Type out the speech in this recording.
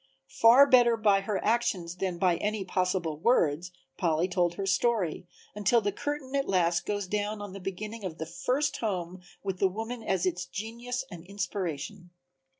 Far better by her actions than by any possible words Polly told her story, until the curtain at last goes down on the beginning of the first home with the woman as its genius and inspiration.